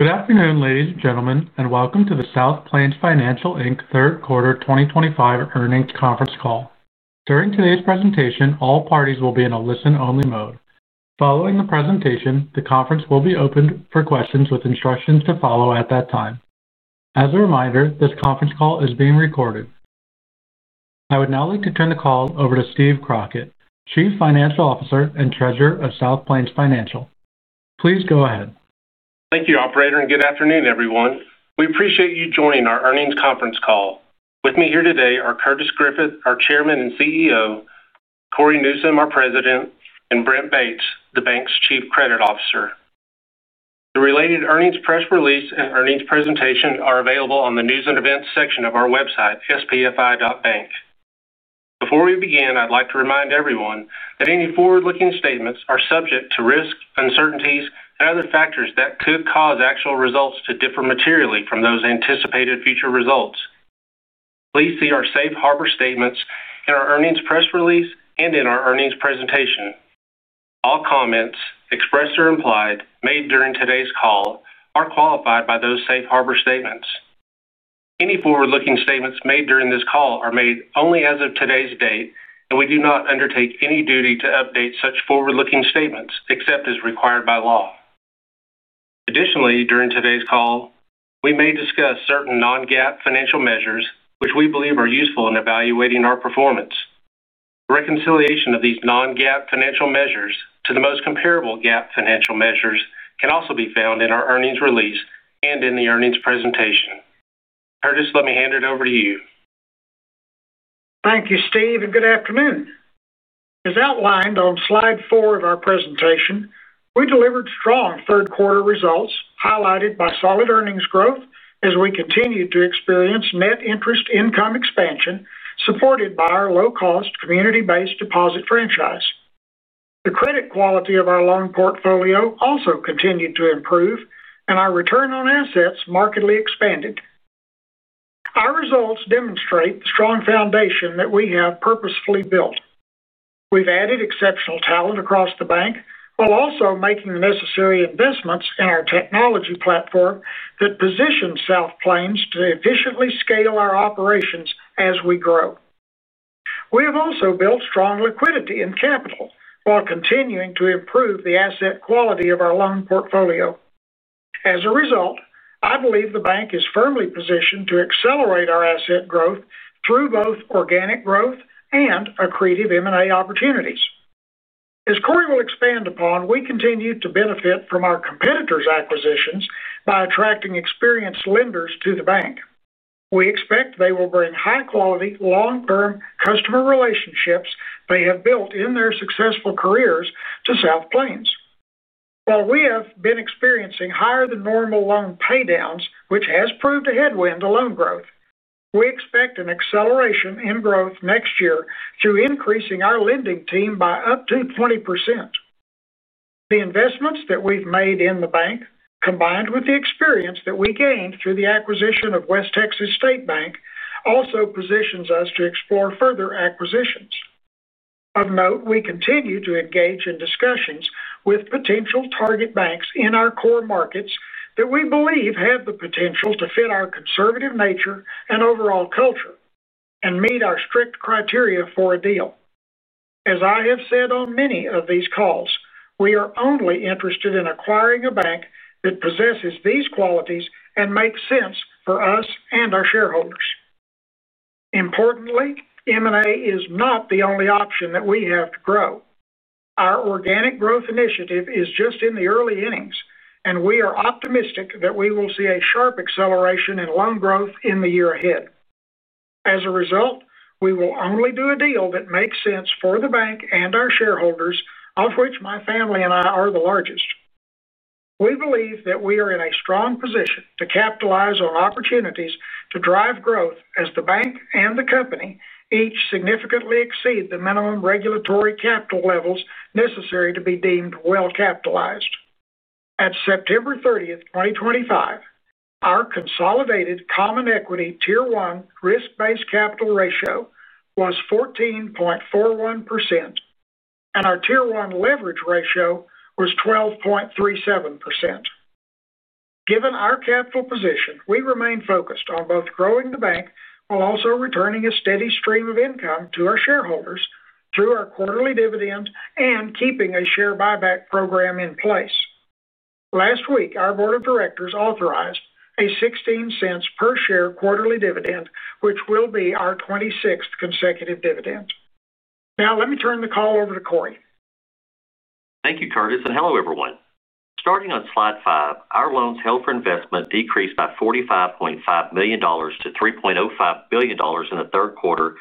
Good afternoon, ladies and gentlemen, and welcome to the South Plains Financial, Inc. third quarter 2025 earnings conference call. During today's presentation, all parties will be in a listen-only mode. Following the presentation, the conference will be open for questions with instructions to follow at that time. As a reminder, this conference call is being recorded. I would now like to turn the call over to Steve Crockett, Chief Financial Officer and Treasurer of South Plains Financial. Please go ahead. Thank you, Operator, and good afternoon, everyone. We appreciate you joining our earnings conference call. With me here today are Curtis Griffith, our Chairman and CEO, Cory Newsom, our President, and Brent Bates, the Bank's Chief Credit Officer. The related earnings press release and earnings presentation are available on the News and Events section of our website, spfi.bank. Before we begin, I'd like to remind everyone that any forward-looking statements are subject to risk, uncertainties, and other factors that could cause actual results to differ materially from those anticipated future results. Please see our Safe Harbor statements in our earnings press release and in our earnings presentation. All comments, expressed or implied, made during today's call are qualified by those Safe Harbor statements. Any forward-looking statements made during this call are made only as of today's date, and we do not undertake any duty to update such forward-looking statements except as required by law. Additionally, during today's call, we may discuss certain non-GAAP financial measures, which we believe are useful in evaluating our performance. The reconciliation of these non-GAAP financial measures to the most comparable GAAP financial measures can also be found in our earnings release and in the earnings presentation. Curtis, let me hand it over to you. Thank you, Steve, and good afternoon. As outlined on slide four of our presentation, we delivered strong third quarter results highlighted by solid earnings growth as we continued to experience Net Interest Income expansion supported by our low-cost community-based deposit franchise. The credit quality of our loan portfolio also continued to improve, and our return on assets markedly expanded. Our results demonstrate the strong foundation that we have purposefully built. We've added exceptional talent across the bank while also making the necessary investments in our technology platform that positions South Plains to efficiently scale our operations as we grow. We have also built strong liquidity in capital while continuing to improve the asset quality of our loan portfolio. As a result, I believe the bank is firmly positioned to accelerate our asset growth through both organic growth and accretive M&A opportunities. As Cory will expand upon, we continue to benefit from our competitors' acquisitions by attracting experienced lenders to the bank. We expect they will bring high-quality, long-term customer relationships they have built in their successful careers to South Plains. While we have been experiencing higher-than-normal loan paydowns, which has proved a headwind to loan growth, we expect an acceleration in growth next year through increasing our lending team by up to 20%. The investments that we've made in the bank, combined with the experience that we gained through the acquisition of West Texas State Bank, also positions us to explore further acquisitions. Of note, we continue to engage in discussions with potential target banks in our core markets that we believe have the potential to fit our conservative nature and overall culture and meet our strict criteria for a deal. As I have said on many of these calls, we are only interested in acquiring a bank that possesses these qualities and makes sense for us and our shareholders. Importantly, M&A is not the only option that we have to grow. Our organic growth initiative is just in the early innings, and we are optimistic that we will see a sharp acceleration in loan growth in the year ahead. As a result, we will only do a deal that makes sense for the bank and our shareholders, of which my family and I are the largest. We believe that we are in a strong position to capitalize on opportunities to drive growth as the bank and the company each significantly exceed the minimum regulatory capital levels necessary to be deemed well capitalized. At September 30, 2025, our consolidated Common Equity Tier 1 risk-based capital ratio was 14.41%, and our Tier 1 leverage ratio was 12.37%. Given our capital position, we remain focused on both growing the bank while also returning a steady stream of income to our shareholders through our quarterly dividend and keeping a share buyback program in place. Last week, our Board of Directors authorized a $0.16 per share quarterly dividend, which will be our 26th consecutive dividend. Now, let me turn the call over to Cory. Thank you, Curtis, and hello everyone. Starting on slide five, our loans held for investment decreased by $45.5 million to $3.05 billion in the third quarter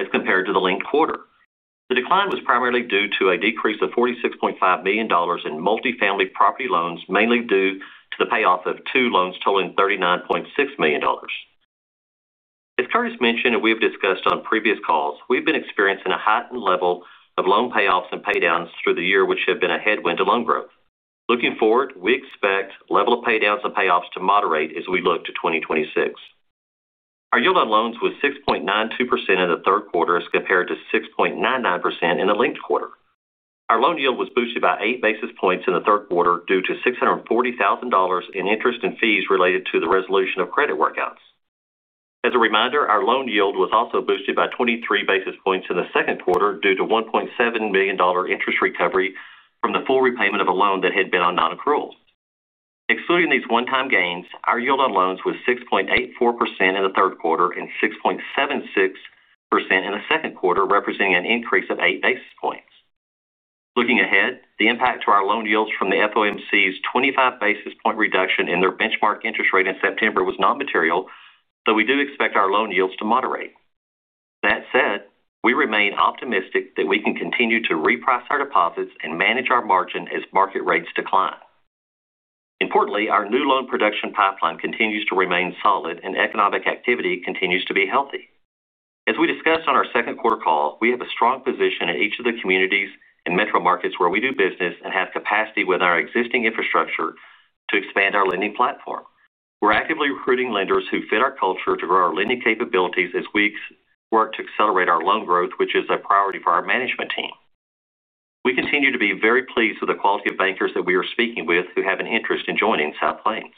as compared to the linked quarter. The decline was primarily due to a decrease of $46.5 million in multifamily property loans, mainly due to the payoff of two loans totaling $39.6 million. As Curtis mentioned, and we have discussed on previous calls, we've been experiencing a heightened level of loan payoffs and paydowns through the year, which have been a headwind to loan growth. Looking forward, we expect the level of paydowns and payoffs to moderate as we look to 2026. Our yield on loans was 6.92% in the third quarter as compared to 6.99% in the linked quarter. Our loan yield was boosted by 8 basis points in the third quarter due to $640,000 in interest and fees related to the resolution of credit workouts. As a reminder, our loan yield was also boosted by 23 basis points in the second quarter due to a $1.7 million interest recovery from the full repayment of a loan that had been on non-accrual. Excluding these one-time gains, our yield on loans was 6.84% in the third quarter and 6.76% in the second quarter, representing an increase of 8 basis points. Looking ahead, the impact to our loan yields from the FOMC's 25 basis point reduction in their benchmark interest rate in September was not material, though we do expect our loan yields to moderate. That said, we remain optimistic that we can continue to reprice our deposits and manage our margin as market rates decline. Importantly, our new loan production pipeline continues to remain solid and economic activity continues to be healthy. As we discussed on our second quarter call, we have a strong position in each of the communities and metro markets where we do business and have capacity with our existing infrastructure to expand our lending platform. We're actively recruiting lenders who fit our culture to grow our lending capabilities as we work to accelerate our loan growth, which is a priority for our management team. We continue to be very pleased with the quality of bankers that we are speaking with who have an interest in joining South Plains.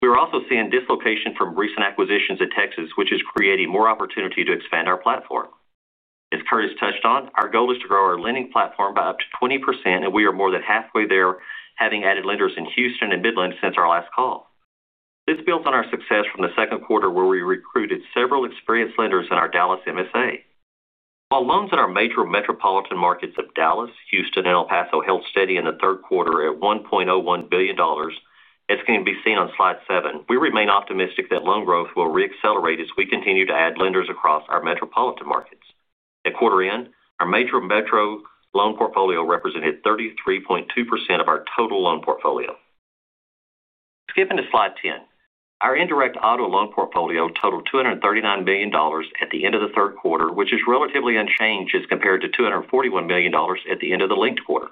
We are also seeing dislocation from recent acquisitions in Texas, which is creating more opportunity to expand our platform. As Curtis touched on, our goal is to grow our lending platform by up to 20%, and we are more than halfway there, having added lenders in Houston and Midland since our last call. This builds on our success from the second quarter where we recruited several experienced lenders in our Dallas MSA. While loans in our major metropolitan markets of Dallas, Houston, and El Paso held steady in the third quarter at $1.01 billion, as can be seen on slide seven, we remain optimistic that loan growth will reaccelerate as we continue to add lenders across our metropolitan markets. At quarter end, our major metro loan portfolio represented 33.2% of our total loan portfolio. Skipping to slide 10, our indirect auto loan portfolio totaled $239 million at the end of the third quarter, which is relatively unchanged as compared to $241 million at the end of the linked quarter.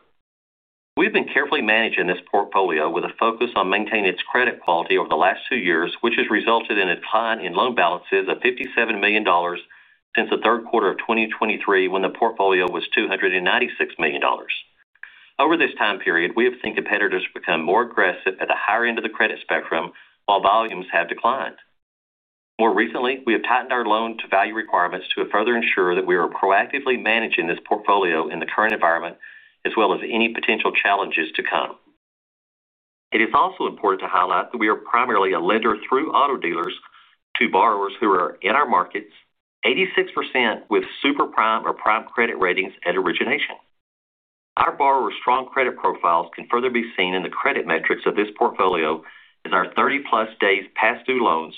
We've been carefully managing this portfolio with a focus on maintaining its credit quality over the last two years, which has resulted in a decline in loan balances of $57 million since the third quarter of 2023, when the portfolio was $296 million. Over this time period, we have seen competitors become more aggressive at the higher end of the credit spectrum while volumes have declined. More recently, we have tightened our loan-to-value requirements to further ensure that we are proactively managing this portfolio in the current environment, as well as any potential challenges to come. It is also important to highlight that we are primarily a lender through auto dealers to borrowers who are in our markets, 86% with Super Prime or Prime Credit ratings at origination. Our borrowers' strong credit profiles can further be seen in the credit metrics of this portfolio as our 30+ days past due loans,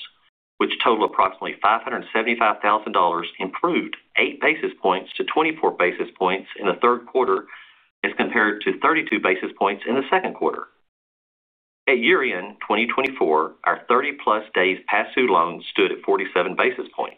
which total approximately $575,000, improved 8 basis points to 24 basis points in the third quarter as compared to 32 basis points in the second quarter. At year-end 2024, our 30+ days past due loans stood at 47 basis points.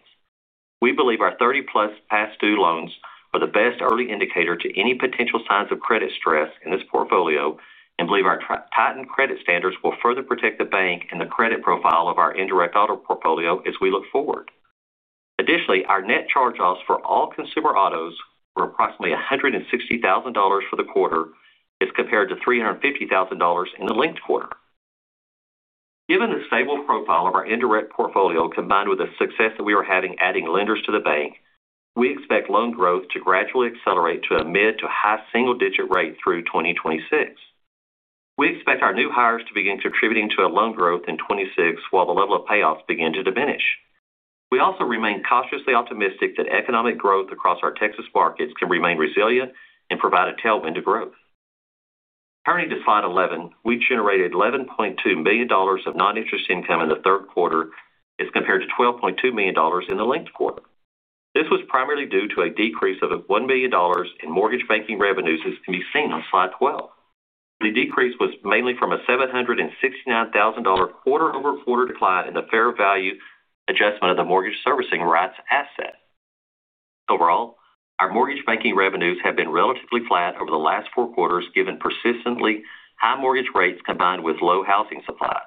We believe our 30+ past due loans are the best early indicator to any potential signs of credit stress in this portfolio and believe our tightened credit standards will further protect the bank and the credit profile of our indirect auto portfolio as we look forward. Additionally, our net charge-offs for all consumer autos were approximately $160,000 for the quarter as compared to $350,000 in the linked quarter. Given the stable profile of our indirect auto loans portfolio combined with the success that we were having adding lenders to the bank, we expect loan growth to gradually accelerate to a mid to high single-digit rate through 2026. We expect our new hires to begin contributing to loan growth in 2026 while the level of payoffs begin to diminish. We also remain cautiously optimistic that economic growth across our Texas markets can remain resilient and provide a tailwind to growth. Turning to slide 11, we generated $11.2 million of non-interest income in the third quarter as compared to $12.2 million in the linked quarter. This was primarily due to a decrease of $1 million in mortgage banking revenues, as can be seen on slide 12. The decrease was mainly from a $769,000 quarter-over-quarter decline in the fair value adjustment of the Mortgage Servicing Rights asset. Overall, our mortgage banking revenues have been relatively flat over the last four quarters, given persistently high mortgage rates combined with low housing supply.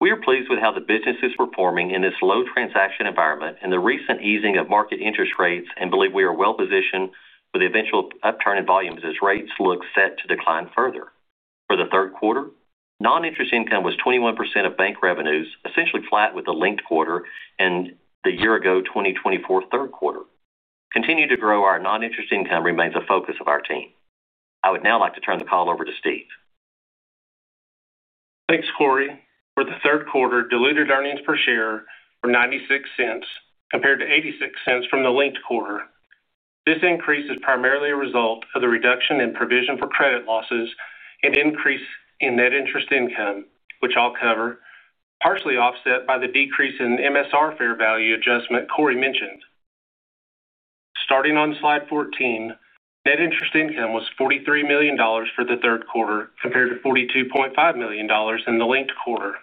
We are pleased with how the business is performing in this low transaction environment and the recent easing of market interest rates and believe we are well positioned for the eventual upturn in volumes as rates look set to decline further. For the third quarter, non-interest income was 21% of bank revenues, essentially flat with the linked quarter and the year-ago 2024 third quarter. Continue to grow, our non-interest income remains a focus of our team. I would now like to turn the call over to Steve. Thanks, Cory. For the third quarter, diluted earnings per share were $0.96 compared to $0.86 from the linked quarter. This increase is primarily a result of the reduction in provision for credit losses and increase in Net Interest Income, which I'll cover, partially offset by the decrease in MSR fair value adjustment Cory mentioned. Starting on slide 14, Net Interest Income was $43 million for the third quarter compared to $42.5 million in the linked quarter.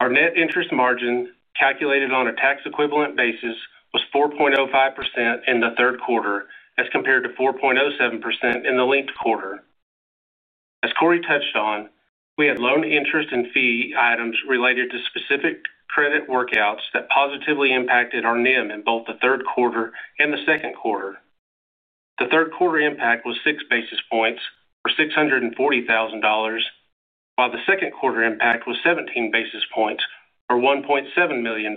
Our Net Interest Margin, calculated on a tax-equivalent basis, was 4.05% in the third quarter as compared to 4.07% in the linked quarter. As Cory touched on, we had loan interest and fee items related to specific credit workouts that positively impacted our NIM in both the third quarter and the second quarter. The third quarter impact was six basis points or $640,000, while the second quarter impact was 17 basis points or $1.7 million.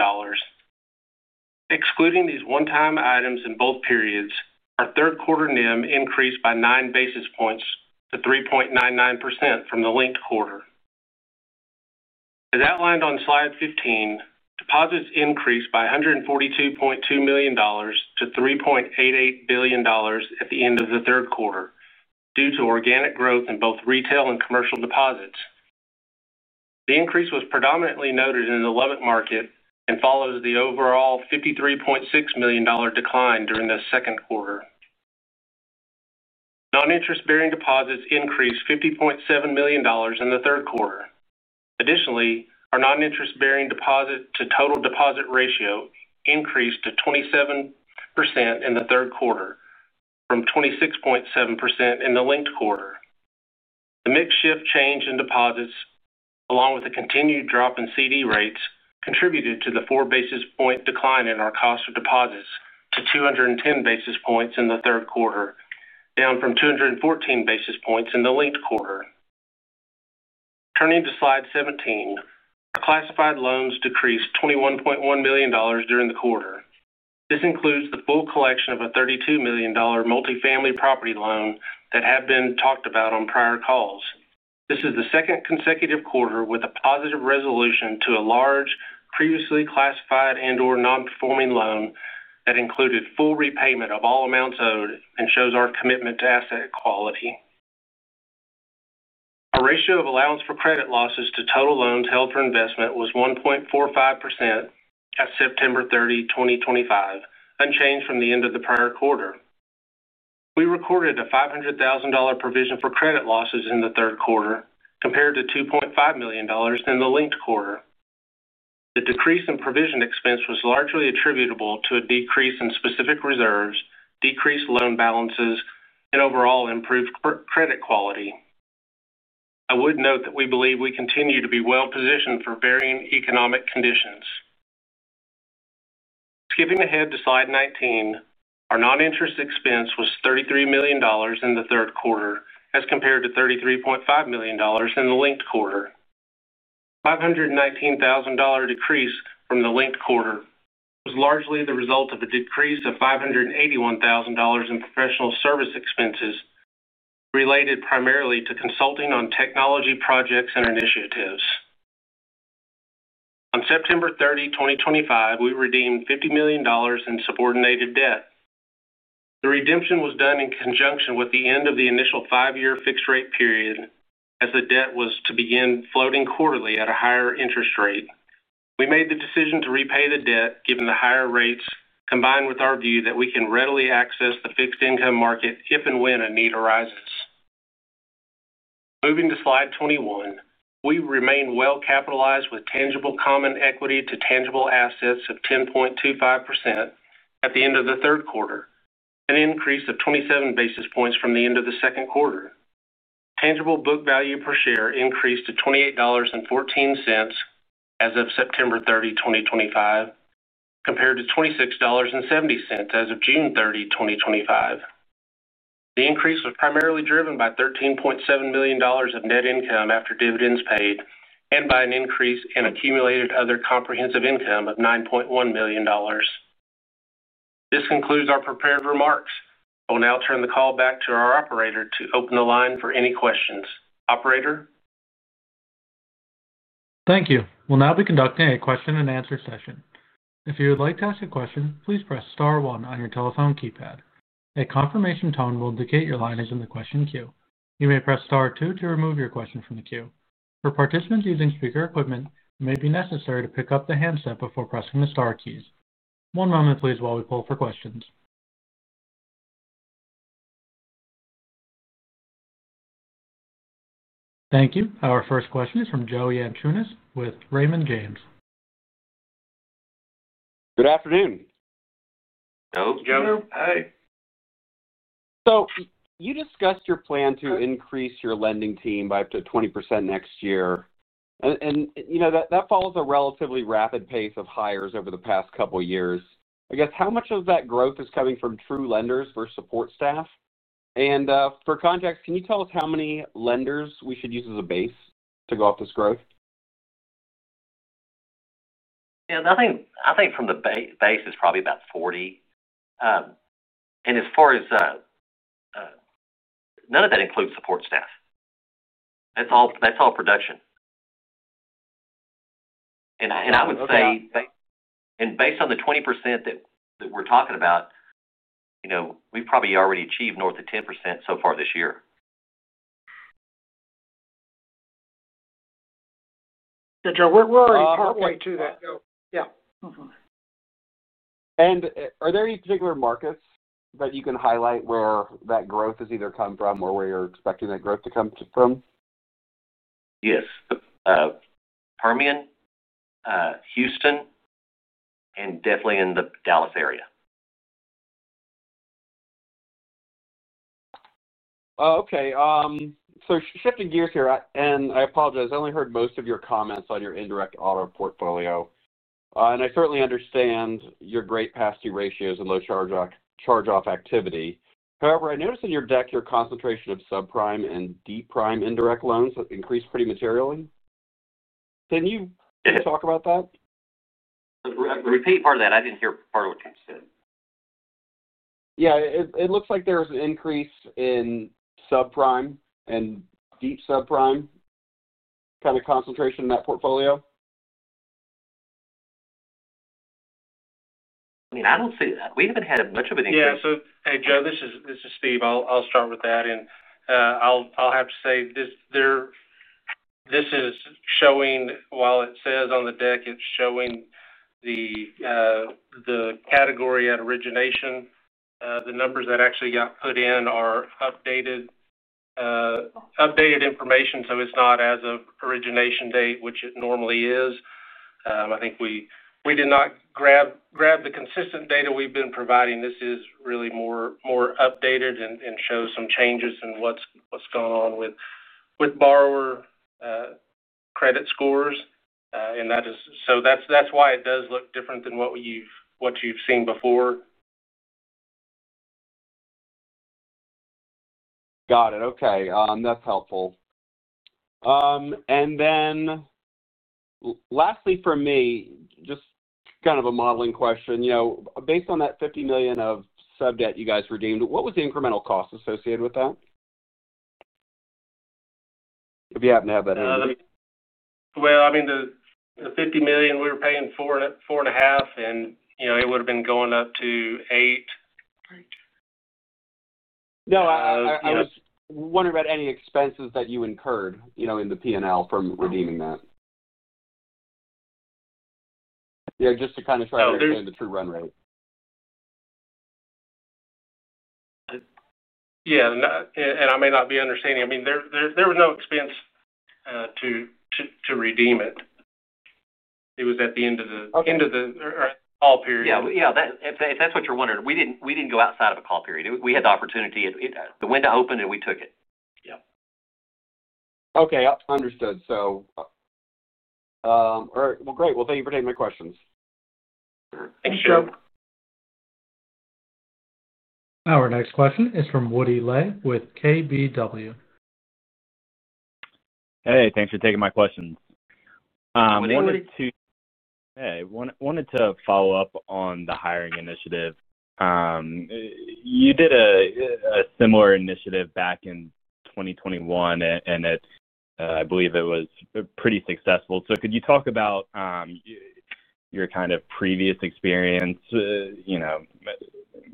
Excluding these one-time items in both periods, our third quarter NIM increased by nine basis points to 3.99% from the linked quarter. As outlined on slide 15, deposits increased by $142.2 million to $3.88 billion at the end of the third quarter due to organic growth in both retail and commercial deposits. The increase was predominantly noted in the Lubbock market and follows the overall $53.6 million decline during the second quarter. Non-interest-bearing deposits increased $50.7 million in the third quarter. Additionally, our non-interest-bearing deposit-to-total deposit ratio increased to 27% in the third quarter from 26.7% in the linked quarter. The makeshift change in deposits, along with a continued drop in CD rates, contributed to the four basis point decline in our cost of deposits to 210 basis points in the third quarter, down from 214 basis points in the linked quarter. Turning to slide 17, our classified loans decreased $21.1 million during the quarter. This includes the full collection of a $32 million multifamily property loan that had been talked about on prior calls. This is the second consecutive quarter with a positive resolution to a large previously classified and/or non-performing loan that included full repayment of all amounts owed and shows our commitment to asset quality. Our ratio of allowance for credit losses to total loans held for investment was 1.45% at September 30, 2025, unchanged from the end of the prior quarter. We recorded a $500,000 provision for credit losses in the third quarter compared to $2.5 million in the linked quarter. The decrease in provision expense was largely attributable to a decrease in specific reserves, decreased loan balances, and overall improved credit quality. I would note that we believe we continue to be well positioned for varying economic conditions. Skipping ahead to slide 19, our non-interest expense was $33 million in the third quarter as compared to $33.5 million in the linked quarter. A $519,000 decrease from the linked quarter was largely the result of a decrease of $581,000 in professional service expenses related primarily to consulting on technology projects and initiatives. On September 30, 2025, we redeemed $50 million in subordinated debt. The redemption was done in conjunction with the end of the initial five-year fixed rate period as the debt was to begin floating quarterly at a higher interest rate. We made the decision to repay the debt given the higher rates combined with our view that we can readily access the fixed income market if and when a need arises. Moving to slide 21, we remain well capitalized with tangible common equity to tangible assets of 10.25% at the end of the third quarter, an increase of 27 basis points from the end of the second quarter. Tangible book value per share increased to $28.14 as of September 30, 2025, compared to $26.70 as of June 30, 2025. The increase was primarily driven by $13.7 million of net income after dividends paid and by an increase in accumulated other comprehensive income of $9.1 million. This concludes our prepared remarks. I will now turn the call back to our operator to open the line for any questions. Operator? Thank you. We'll now be conducting a question and answer session. If you would like to ask a question, please press star one on your telephone keypad. A confirmation tone will indicate your line is in the question queue. You may press star two to remove your question from the queue. For participants using speaker equipment, it may be necessary to pick up the handset before pressing the star keys. One moment, please, while we pull for questions. Thank you. Our first question is from Joe Yanchunis with Raymond James. Good afternoon. Hello, Joe. Hi. You discussed your plan to increase your lending team by up to 20% next year. That follows a relatively rapid pace of hires over the past couple of years. I guess how much of that growth is coming from true lenders versus support staff? For context, can you tell us how many lenders we should use as a base to go off this growth? Yeah, I think from the base is probably about 40%. As far as none of that includes support staff, that's all production. I would say, based on the 20% that we're talking about, we've probably already achieved north of 10% so far this year. Joe, we're already partway to that. Yeah. Are there any particular markets that you can highlight where that growth has either come from or where you're expecting that growth to come from? Yes. Permian, Houston, and definitely in the Dallas MSA. Okay. Shifting gears here, I apologize, I only heard most of your comments on your indirect auto portfolio. I certainly understand your great past due ratios and low charge-off activity. However, I noticed in your deck your concentration of subprime and deep subprime indirect loans increased pretty materially. Can you talk about that? Repeat part of that. I didn't hear part of what you said. Yeah, it looks like there's an increase in subprime and deep subprime kind of concentration in that portfolio. I don't see that. We haven't had much of an increase. Yeah. Joe, this is Steve. I'll start with that. I have to say, this is showing, while it says on the deck, it's showing the category at origination. The numbers that actually got put in are updated information, so it's not as of origination date, which it normally is. I think we did not grab the consistent data we've been providing. This is really more updated and shows some changes in what's going on with borrower credit scores. That is why it does look different than what you've seen before. Got it. Okay. That's helpful. Lastly for me, just kind of a modeling question. You know, based on that $50 million of sub debt you guys redeemed, what was the incremental cost associated with that? If you happen to have that in your mind. The $50 million we were paying 4.5%, and you know it would have been going up to 8%. No, I was wondering about any expenses that you incurred in the P&L from redeeming that. Yeah, just to kind of try to understand the true run rate. I may not be understanding. There was no expense to redeem it. It was at the end of the call period. If that's what you're wondering, we didn't go outside of a call period. We had the opportunity, the window opened and we took it. Okay. Understood. Great. Thank you for taking my questions. Thanks, Joe. Our next question is from Woody Lay with KBW. Hey, thanks for taking my questions. My name is Steve. Hey, wanted to follow up on the hiring initiative. You did a similar initiative back in 2021, and I believe it was pretty successful. Could you talk about your kind of previous experience, you know,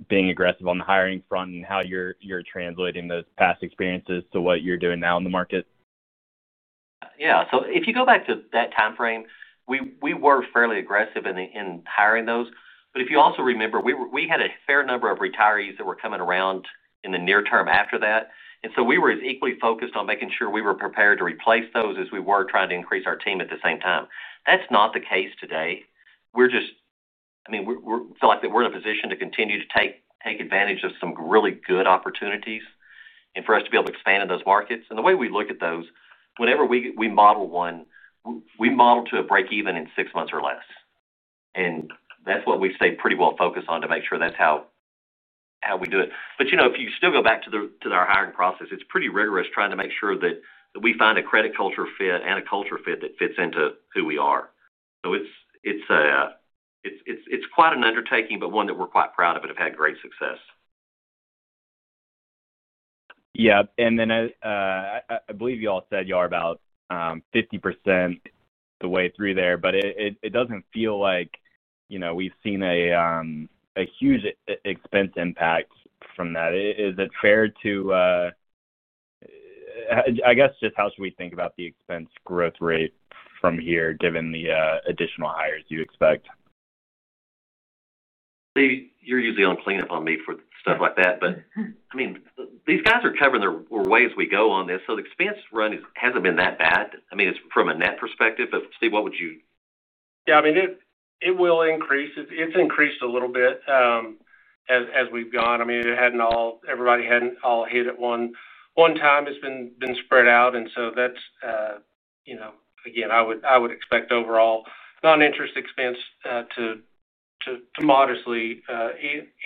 being aggressive on the hiring front and how you're translating those past experiences to what you're doing now in the market? Yeah. If you go back to that timeframe, we were fairly aggressive in hiring those. If you also remember, we had a fair number of retirees that were coming around in the near term after that. We were as equally focused on making sure we were prepared to replace those as we were trying to increase our team at the same time. That's not the case today. I mean, we feel like we're in a position to continue to take advantage of some really good opportunities and for us to be able to expand in those markets. The way we look at those, whenever we model one, we model to a break even in six months or less. That's what we stay pretty well focused on to make sure that's how we do it. If you still go back to our hiring process, it's pretty rigorous trying to make sure that we find a credit culture fit and a culture fit that fits into who we are. It's quite an undertaking, but one that we're quite proud of and have had great success. Yeah, I believe you all said you are about 50% the way through there, but it doesn't feel like we've seen a huge expense impact from that. Is it fair to, I guess, just how should we think about the expense growth rate from here given the additional hires you expect? Steve, you're usually on cleanup on me for stuff like that, but I mean, these guys are covering the ways we go on this. The expense run hasn't been that bad. I mean, it's from a net perspective, but Steve, what would you? Yeah, I mean, it will increase. It's increased a little bit as we've gone. I mean, it hadn't all, everybody hadn't all hit at one time. It's been spread out. That's, you know, again, I would expect overall non-interest expense to modestly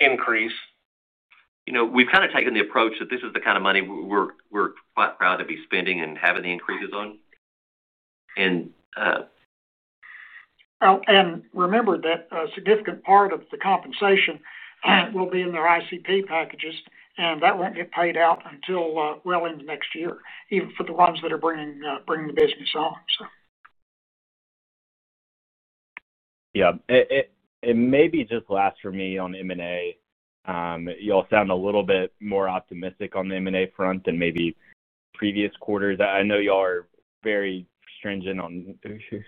increase. You know, we've kind of taken the approach that this is the kind of money we're quite proud to be spending and having the increases on. Remember that a significant part of the compensation will be in their ICP packages, and that won't get paid out until well into next year, even for the ones that are bringing the business on. Maybe just last for me on M&A. You all sound a little bit more optimistic on the M&A front than maybe previous quarters. I know you all are very stringent on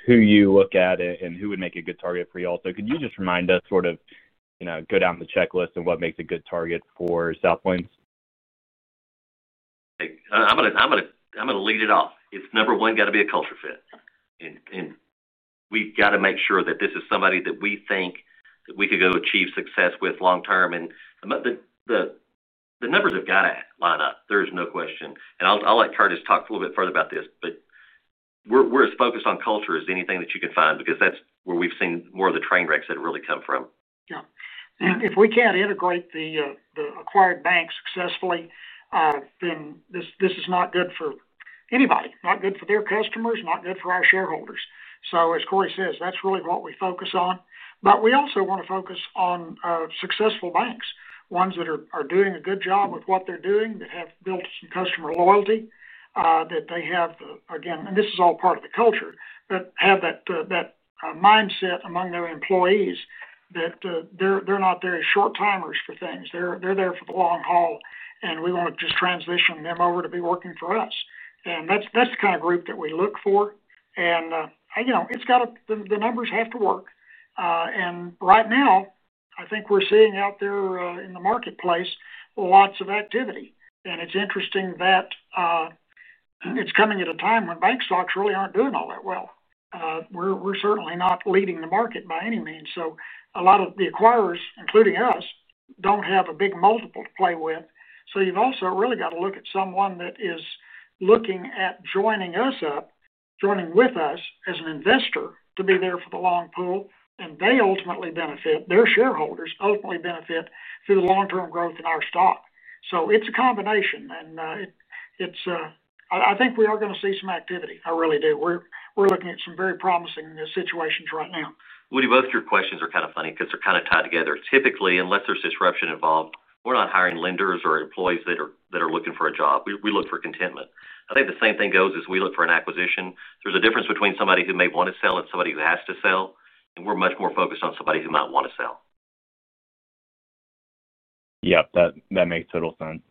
who you look at and who would make a good target for you all. Could you just remind us, sort of, you know, go down the checklist and what makes a good target for South Plains? I'm going to lead it off. It's number one, got to be a culture fit. We've got to make sure that this is somebody that we think that we could go achieve success with long term. The numbers have got to line up. There is no question. I'll let Curtis talk a little bit further about this. We're as focused on culture as anything that you can find because that's where we've seen more of the train wrecks that have really come from. Yeah. If we can't integrate the acquired banks successfully, then this is not good for anybody, not good for their customers, not good for our shareholders. As Cory says, that's really what we focus on. We also want to focus on successful banks, ones that are doing a good job with what they're doing, that have built some customer loyalty, that they have, again, and this is all part of the culture, but have that mindset among their employees that they're not very short-timers for things. They're there for the long haul, and we want to just transition them over to be working for us. That's the kind of group that we look for. It's got to, the numbers have to work. Right now, I think we're seeing out there in the marketplace lots of activity. It's interesting that it's coming at a time when bank stocks really aren't doing all that well. We're certainly not leading the market by any means. A lot of the acquirers, including us, don't have a big multiple to play with. You've also really got to look at someone that is looking at joining us up, joining with us as an investor to be there for the long pull. They ultimately benefit, their shareholders ultimately benefit through the long-term growth in our stock. It's a combination. I think we are going to see some activity. I really do. We're looking at some very promising situations right now. Woody, both of your questions are kind of funny because they're kind of tied together. Typically, unless there's disruption involved, we're not hiring lenders or employees that are looking for a job. We look for contentment. I think the same thing goes as we look for an acquisition. There's a difference between somebody who may want to sell and somebody who has to sell. We're much more focused on somebody who might want to sell. Yep, that makes total sense.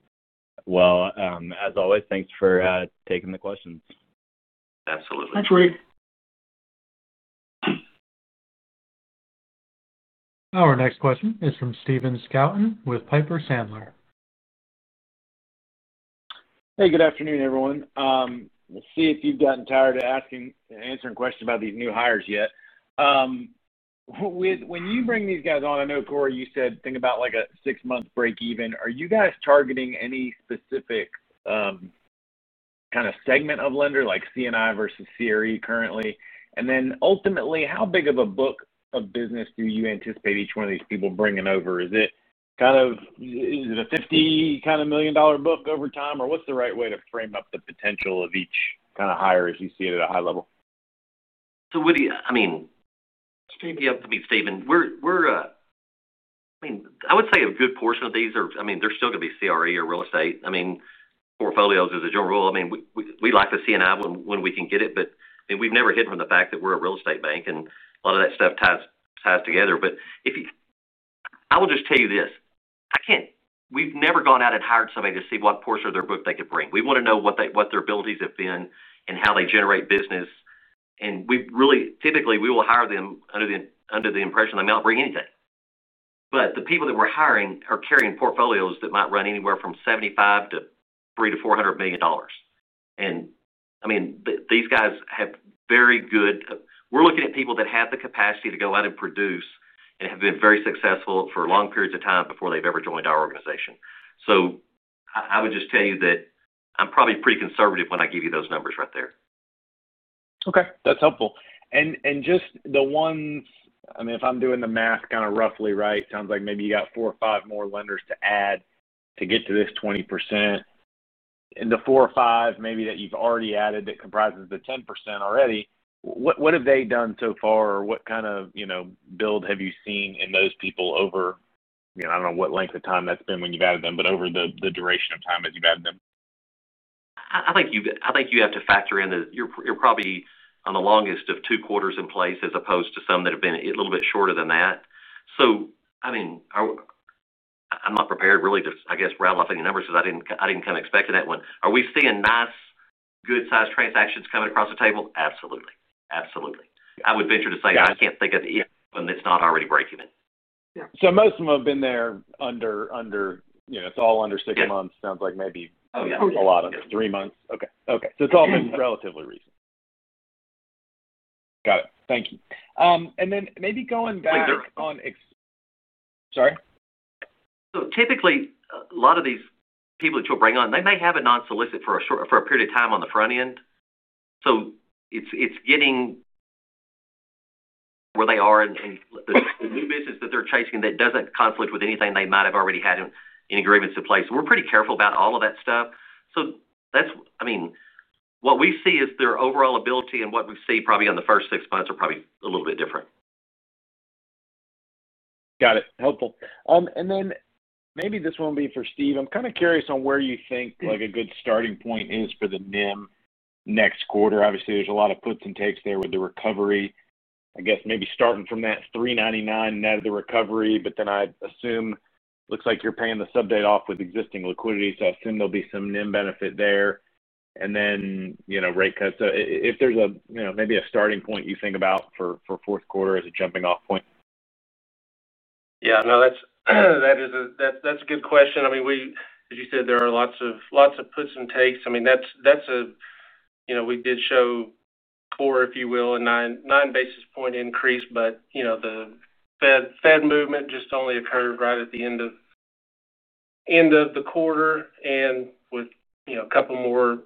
As always, thanks for taking the questions. Absolutely. Thanks, Woody. Our next question is from Stephen Scouten with Piper Sandler. Hey, good afternoon, everyone. We'll see if you've gotten tired of answering questions about these new hires yet. When you bring these guys on, I know, Cory, you said think about like a six-month break even. Are you guys targeting any specific kind of segment of lender, like C&I versus CRE currently? Ultimately, how big of a book of business do you anticipate each one of these people bringing over? Is it kind of, is it a $50 million book over time? What's the right way to frame up the potential of each kind of hire as you see it at a high level? Woody, speaking up to me, Stephen, I would say a good portion of these are still going to be CRE or real estate. Portfolios as a general rule, we like the C&I when we can get it. We have never hidden from the fact that we're a real estate bank and a lot of that stuff ties together. If you, I will just tell you this. We have never gone out and hired somebody to see what portion of their book they could bring. We want to know what their abilities have been and how they generate business. Typically, we will hire them under the impression they might not bring anything. The people that we're hiring are carrying portfolios that might run anywhere from $75 million to $300 million-$400 million. These guys have very good, we're looking at people that have the capacity to go out and produce and have been very successful for long periods of time before they've ever joined our organization. I would just tell you that I'm probably pretty conservative when I give you those numbers right there. Okay. That's helpful. If I'm doing the math kind of roughly, right, it sounds like maybe you got four or five more lenders to add to get to this 20%. The four or five maybe that you've already added that comprises the 10% already, what have they done so far or what kind of build have you seen in those people over, I don't know what length of time that's been when you've added them, but over the duration of time as you've added them? I think you have to factor in that you're probably on the longest of two quarters in place as opposed to some that have been a little bit shorter than that. I'm not prepared really to, I guess, rattle off any numbers because I didn't come expecting that one. Are we seeing nice, good-sized transactions coming across the table? Absolutely. I would venture to say I can't think of anything that's not already breaking in. Yeah. Most of them have been there under, you know, it's all under six months. Sounds like maybe a lot of three months. Okay. It's all been relatively recent. Got it. Thank you. Maybe going back on, sorry. Typically, a lot of these people that you'll bring on may have a non-solicit for a short period of time on the front end. It's getting where they are and the new business that they're chasing that doesn't conflict with anything they might have already had in agreements in place. We're pretty careful about all of that stuff. What we see is their overall ability, and what we see probably on the first six months are probably a little bit different. Got it. Helpful. Maybe this one will be for Steve. I'm kind of curious on where you think a good starting point is for the NIM next quarter. Obviously, there's a lot of puts and takes there with the recovery. I guess maybe starting from that $3.99 net of the recovery, but then I assume it looks like you're paying the sub debt off with existing liquidity. I assume there'll be some NIM benefit there. You know, rate cuts. If there's a starting point you think about for fourth quarter as a jumping-off point. Yeah, that's a good question. As you said, there are lots of puts and takes. We did show, if you will, a nine basis point increase, but the Fed movement only occurred right at the end of the quarter, with a couple more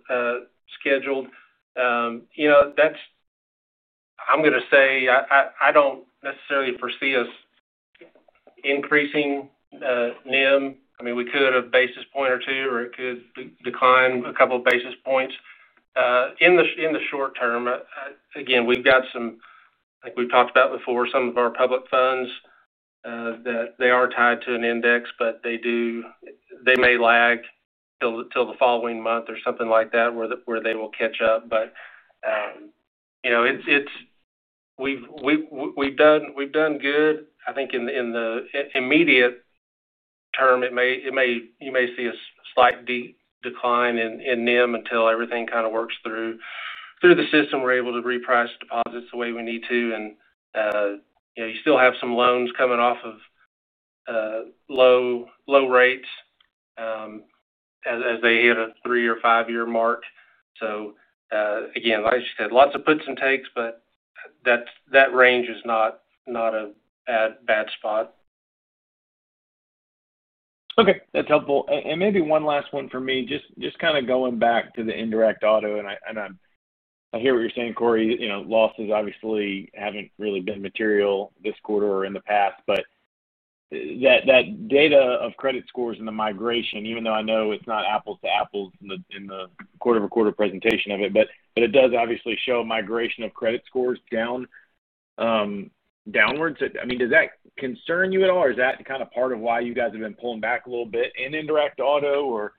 scheduled. I'm going to say I don't necessarily foresee us increasing NIM. We could have a basis point or two, or it could decline a couple of basis points in the short term. Again, we've got some, like we've talked about before, some of our public funds that are tied to an index, but they may lag till the following month or something like that where they will catch up. We've done good. I think in the immediate term, you may see a slight decline in NIM until everything kind of works through the system. We're able to reprice deposits the way we need to, and you still have some loans coming off of low rates as they hit a three-year, five-year mark. Again, like she said, lots of puts and takes, but that range is not a bad spot. Okay. That's helpful. Maybe one last one for me. Just kind of going back to the indirect auto, and I hear what you're saying, Cory. You know, losses obviously haven't really been material this quarter or in the past. That data of credit scores in the migration, even though I know it's not apples to apples in the quarter-over-quarter presentation of it, does obviously show a migration of credit scores downwards. Does that concern you at all? Is that kind of part of why you guys have been pulling back a little bit in indirect auto?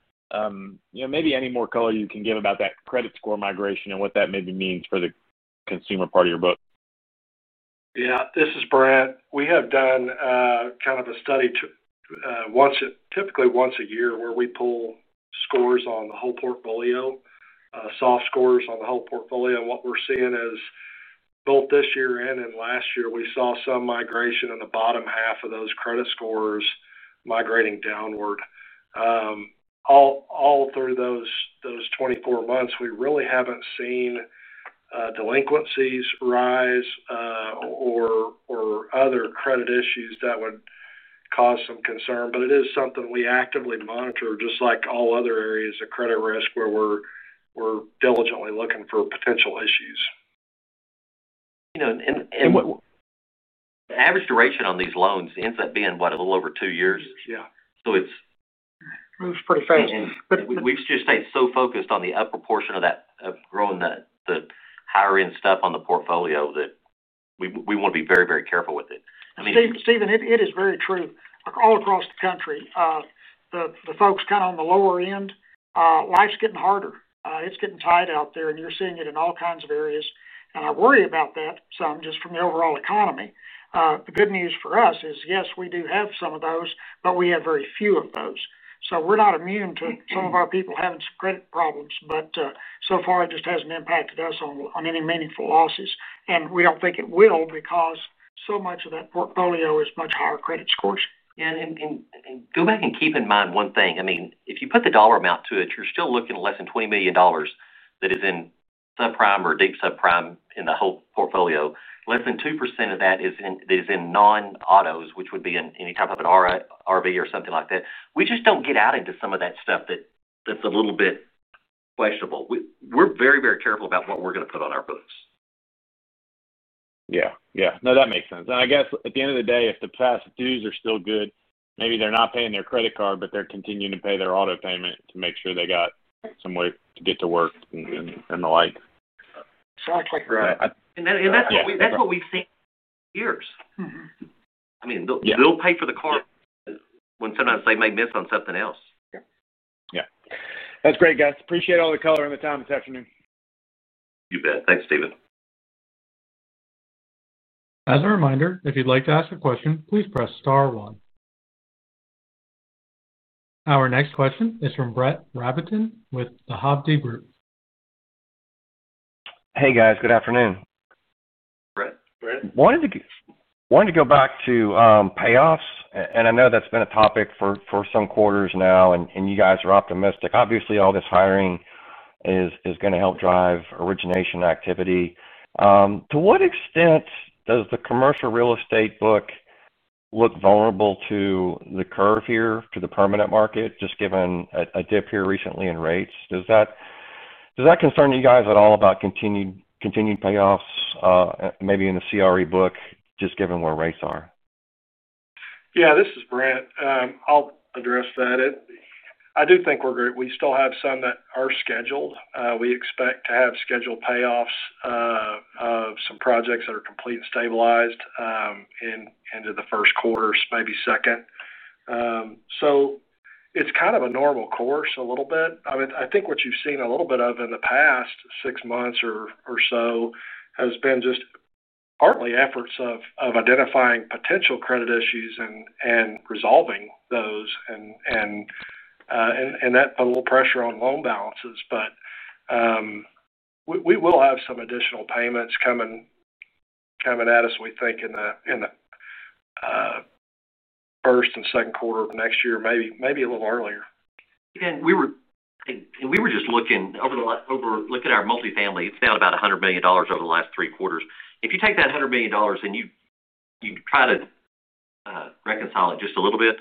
Maybe any more color you can give about that credit score migration and what that maybe means for the consumer part of your book? Yeah. This is Brent. We have done kind of a study, typically once a year where we pull scores on the whole portfolio, soft scores on the whole portfolio. What we're seeing is both this year and last year, we saw some migration in the bottom half of those credit scores migrating downward. All through those 24 months, we really haven't seen delinquencies rise or other credit issues that would cause some concern. It is something we actively monitor, just like all other areas of credit risk where we're diligently looking for potential issues. You know. What the average duration on these loans ends up being is, what, a little over two years? Yeah. So it's. It moves pretty fast. We've just stayed so focused on the upper portion of that, of growing the higher-end stuff on the portfolio that we want to be very, very careful with it. Stephen, it is very true. Like all across the country, the folks kind of on the lower end, life's getting harder. It's getting tight out there, and you're seeing it in all kinds of areas. I worry about that some just from the overall economy. The good news for us is, yes, we do have some of those, but we have very few of those. We're not immune to some of our people having some credit problems. So far, it just hasn't impacted us on any meaningful losses. We don't think it will because so much of that portfolio is much higher credit scores. Keep in mind one thing. If you put the dollar amount to it, you're still looking at less than $20 million that is in subprime or deep subprime in the whole portfolio. Less than 2% of that is in non-autos, which would be in any type of an RV or something like that. We just don't get out into some of that stuff that's a little bit questionable. We're very, very careful about what we're going to put on our books. Yeah, that makes sense. I guess at the end of the day, if the past dues are still good, maybe they're not paying their credit card, but they're continuing to pay their auto payment to make sure they got somewhere to get to work and the like. That's what we've seen for years. I mean, they'll pay for the car when sometimes they may miss on something else. Yeah, that's great, guys. Appreciate all the color and the time this afternoon. You bet. Thanks, Steve. As a reminder, if you'd like to ask a question, please press star one. Our next question is from Brett Rabatin with the Hovde Group. Hey, guys. Good afternoon. Brett? Brett? Wanted to go back to payoffs. I know that's been a topic for some quarters now, and you guys are optimistic. Obviously, all this hiring is going to help drive origination activity. To what extent does the commercial real estate book look vulnerable to the curve here, to the permanent market, just given a dip here recently in rates? Does that concern you guys at all about continued payoffs, maybe in the CRE book, just given where rates are? Yeah. This is Brent. I'll address that. I do think we're great. We still have some that are scheduled. We expect to have scheduled payoffs of some projects that are complete and stabilized into the first quarter, maybe second. It's kind of a normal course a little bit. I think what you've seen a little bit of in the past six months or so has been just partly efforts of identifying potential credit issues and resolving those. That put a little pressure on loan balances. We will have some additional payments coming at us, we think, in the first and second quarter of next year, maybe a little earlier. We were just looking over the last, over look at our multifamily. It's down about $100 million over the last three quarters. If you take that $100 million and you try to reconcile it just a little bit,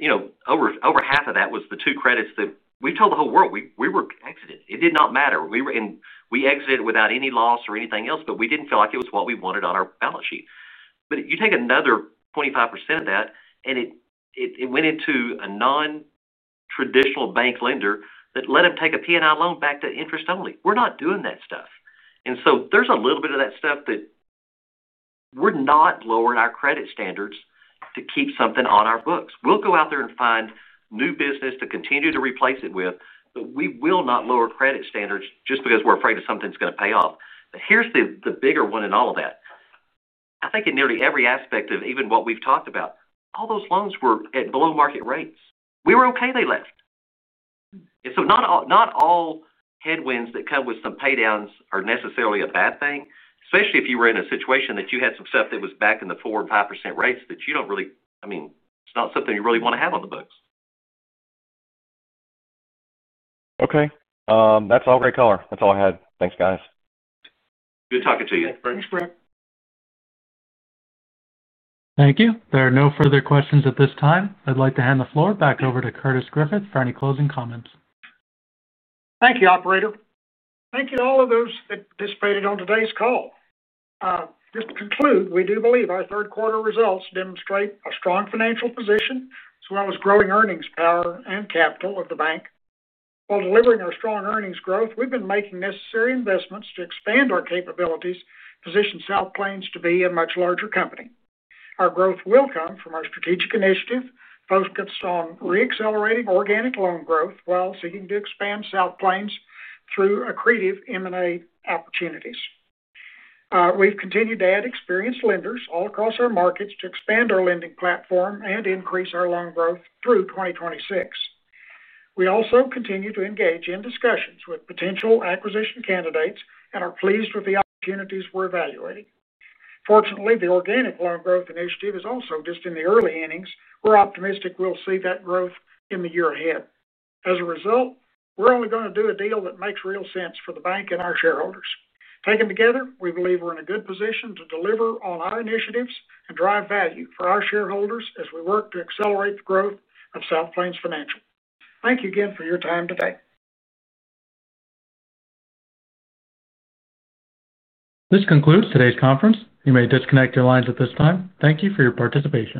you know, over half of that was the two credits that we told the whole world we were exited. It did not matter. We were in, we exited without any loss or anything else, but we didn't feel like it was what we wanted on our balance sheet. You take another 25% of that, and it went into a non-traditional bank lender that let them take a P&L loan back to interest only. We're not doing that stuff. There's a little bit of that stuff that we're not lowering our credit standards to keep something on our books. We'll go out there and find new business to continue to replace it with, but we will not lower credit standards just because we're afraid of something's going to pay off. Here's the bigger one in all of that. I think in nearly every aspect of even what we've talked about, all those loans were at below market rates. We were okay they left. Not all headwinds that come with some paydowns are necessarily a bad thing, especially if you were in a situation that you had some stuff that was back in the 4% and 5% rates that you don't really, I mean, it's not something you really want to have on the books. Okay. That's all great color. That's all I had. Thanks, guys. Good talking to you. Thanks, Brent. Thank you. There are no further questions at this time. I'd like to hand the floor back over to Curtis Griffith for any closing comments. Thank you, Operator. Thank you to all of those that participated on today's call. Just to conclude, we do believe our third-quarter results demonstrate a strong financial position as well as growing earnings power and capital of the bank. While delivering our strong earnings growth, we've been making necessary investments to expand our capabilities, positioning South Plains Financial to be a much larger company. Our growth will come from our strategic initiative, focused on reaccelerating organic loan growth while seeking to expand South Plains Financial through accretive M&A opportunities. We've continued to add experienced lenders all across our markets to expand our lending platform and increase our loan growth through 2026. We also continue to engage in discussions with potential acquisition candidates and are pleased with the opportunities we're evaluating. Fortunately, the organic loan growth initiative is also just in the early innings. We're optimistic we'll see that growth in the year ahead. As a result, we're only going to do a deal that makes real sense for the bank and our shareholders. Taken together, we believe we're in a good position to deliver on our initiatives and drive value for our shareholders as we work to accelerate the growth of South Plains Financial. Thank you again for your time today. This concludes today's conference. You may disconnect your lines at this time. Thank you for your participation.